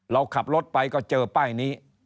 เราขับรถไปก็เจอป้ายนี้